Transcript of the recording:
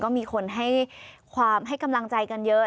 ก็มีคนให้ความให้กำลังใจกันเยอะ